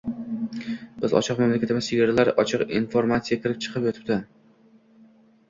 Biz ochiq mamlakatmiz, chegaralar ochiq, informatsiya kirib-chiqib yotibdi.